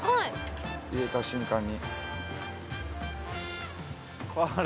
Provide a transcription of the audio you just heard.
入れた瞬間に。